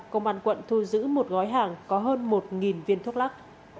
công an quận thu giữ một gói hàng có hơn một viên thuốc lắc